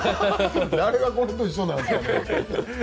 誰が一緒なんですか。